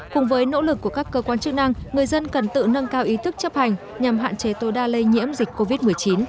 cùng với nỗ lực của các cơ quan chức năng người dân cần tự nâng cao ý thức chấp hành nhằm hạn chế tối đa lây nhiễm dịch covid một mươi chín